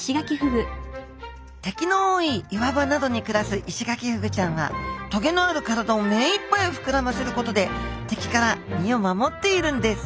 敵の多い岩場などに暮らすイシガキフグちゃんは棘のある体をめいっぱい膨らませることで敵から身を守っているんです